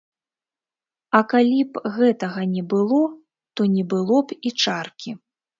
А калі б гэтага не было, то не было б і чаркі.